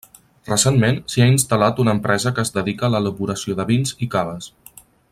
Recentment s'hi ha instal·lat una empresa que es dedica a l'elaboració de vins i caves.